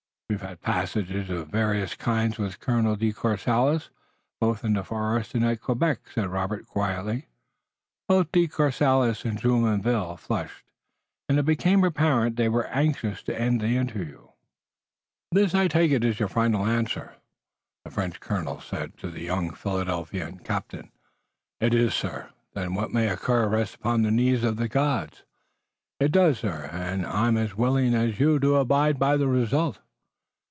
"We've had passages of various kinds with Colonel de Courcelles, both in the forest and at Quebec," said Robert, quietly. Both De Courcelles and Jumonville flushed, and it became apparent that they were anxious to end the interview. "This, I take it, is your final answer," the French Colonel said to the young Philadelphia captain. "It is, sir." "Then what may occur rests upon the knees of the gods." "It does, sir, and I'm as willing as you to abide by the result."